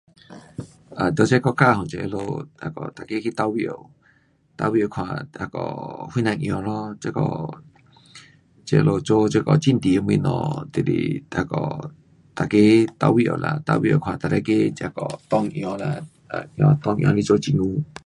um 在这国家 um 这他们那个每个去投票，投票看那个谁人赢咯。这个这里做这个政治的东西就是那个每个投票啦，投票看哪一个这个党赢啦，um 党赢去做政府。